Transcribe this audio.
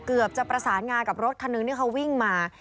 เกือบจะประสานงากับรถคันหนึ่งที่เขาวิ่งมา